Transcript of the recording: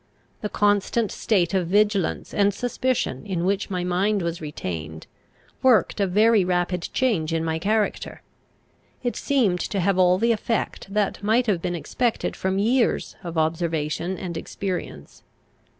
The constant state of vigilance and suspicion in which my mind was retained, worked a very rapid change in my character. It seemed to have all the effect that might have been expected from years of observation and experience.